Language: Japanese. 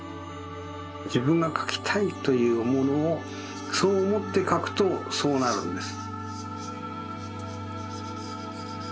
じぶんがかきたいというものをそうおもってかくとそうなるんです。